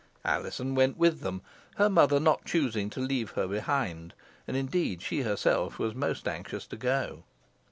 Alizon went with them, her mother not choosing to leave her behind, and indeed she herself was most anxious to go.